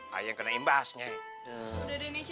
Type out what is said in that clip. ayah yang kena imbasnya ya